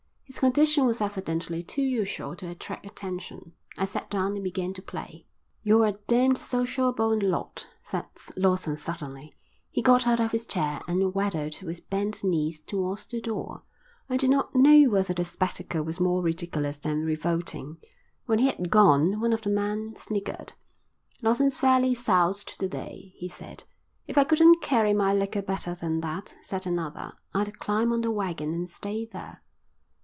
His condition was evidently too usual to attract attention. I sat down and began to play. "You're a damned sociable lot," said Lawson suddenly. He got out of his chair and waddled with bent knees towards the door. I do not know whether the spectacle was more ridiculous than revolting. When he had gone one of the men sniggered. "Lawson's fairly soused to day," he said. "If I couldn't carry my liquor better than that," said another, "I'd climb on the waggon and stay there."